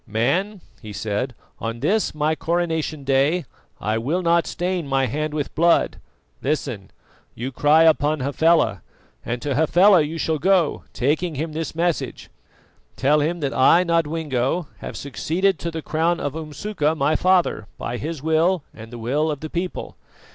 "Man," he said, "on this my coronation day I will not stain my hand with blood. Listen. You cry upon Hafela, and to Hafela you shall go, taking him this message. Tell him that I, Nodwengo, have succeeded to the crown of Umsuka, my father, by his will and the will of the people.